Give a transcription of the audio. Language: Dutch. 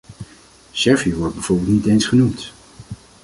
Servië wordt bijvoorbeeld niet eens genoemd.